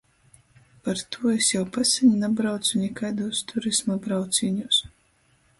Partū es jau paseņ nabraucu nikaidūs turisma braucīņūs.